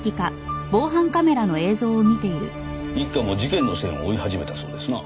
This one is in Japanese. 一課も事件の線を追い始めたそうですな。